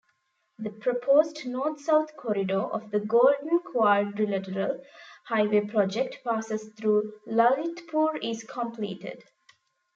The proposed North-south-Corridor of the Golden-Quadrilateral Highway project passes through lalitpur is completed.